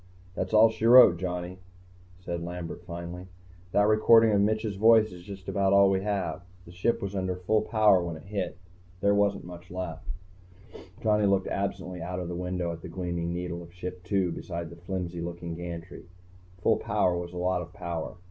"That's all she wrote, Johnny," said Lambert, finally. "That recording of Mitch's voice is just about all we have. The Ship was under full power when it hit. There wasn't much left." Johnny looked absently out the window at the gleaming needle of Ship II beside the flimsy looking gantry. Full power was a lot of power.